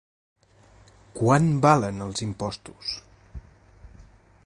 Quant valen els impostos?